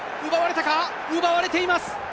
奪われています。